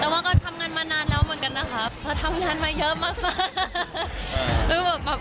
แต่ว่าก็ทำงานมานานแล้วเหมือนกันนะครับเพราะทำงานมาเยอะมาก